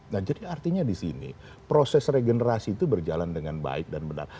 nah jadi artinya di sini proses regenerasi itu berjalan dengan baik dan benar